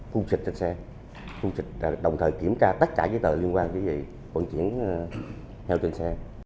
phun trịch trên xe phun trịch đồng thời kiểm tra tất cả những tờ liên quan đến việc hoàn chuyển heo trên xe